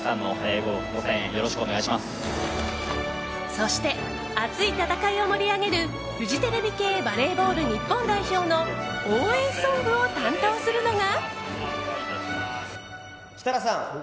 そして、熱い戦いを盛り上げるフジテレビ系バレーボール日本代表の応援ソングを担当するのが。